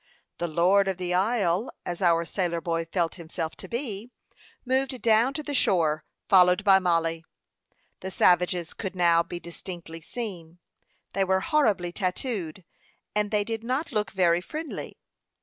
The "lord of the isle," as our sailor boy felt himself to be, moved down to the shore, followed by Mollie. The savages could now be distinctly seen. They were horribly tattooed, and they did not look very friendly.